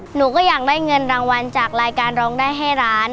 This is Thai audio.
หนูก็อยากได้เงินรางวัลจากรายการร้องได้ให้ร้าน